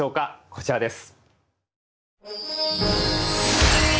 こちらです。